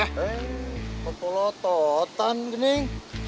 eh pepulototan neng